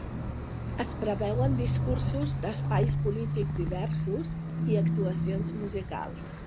Es preveuen discursos d’espais polítics diversos i actuacions musicals.